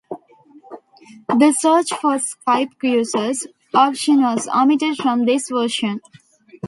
The "Search for Skype Users" option was omitted from this version.